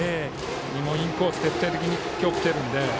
インコースに徹底的に今日きているので。